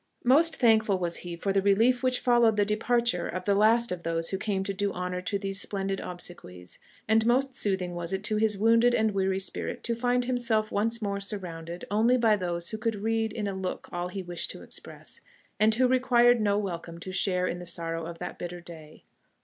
Most thankful was he for the relief which followed the departure of the last of those who came to do honour to these splendid obsequies; and most soothing was it to his wounded and weary spirits to find himself once more surrounded only by those who could read in a look all he wished to express, and who required no welcome to share in the sorrow of that bitter day.